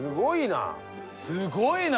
すごいな！